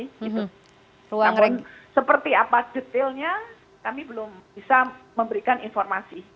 namun seperti apa detailnya kami belum bisa memberikan informasi